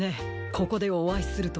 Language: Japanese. ここでおあいするとは。